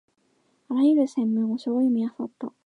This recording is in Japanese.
あらゆる専門書を読みあさった